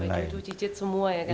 sampai cucu cicit semua ya kang